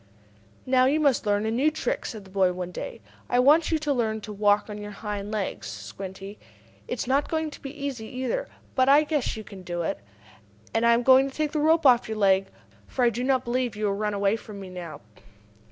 "Now you must learn a new trick," said the boy one day. "I want you to learn how to walk on your hind legs, Squinty. It is not going to be easy, either. But I guess you can do it. And I am going to take the rope off your leg, for I do not believe you will run away from me now."